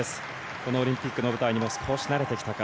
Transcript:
このオリンピックの舞台にも少し慣れてきたか。